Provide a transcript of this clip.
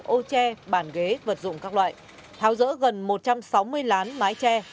ô tre bàn ghế vật dụng các loại tháo rỡ gần một trăm sáu mươi lán mái tre